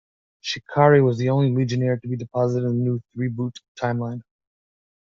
Shikari was the only Legionnaire to be deposited in the new "Threeboot" timeline.